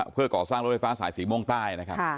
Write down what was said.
เพื่อก่อสร้างรถไฟฟ้าสายสีม่วงใต้นะครับ